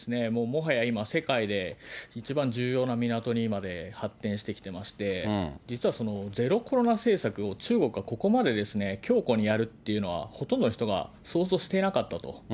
もはや今、世界で一番重要な港にまで発展してきてまして、実はゼロコロナ政策を中国がここまで強固にやるっていうのは、ほとんどの人が想像していなかったと。